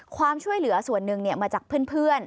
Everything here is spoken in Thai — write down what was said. ความช่วยเหลือส่วนหนึ่งมาจากเพื่อน